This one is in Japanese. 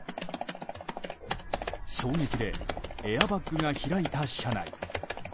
衝撃でエアバッグが開いた車内。